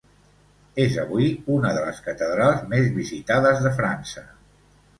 És avui una de les catedrals més visitades de França.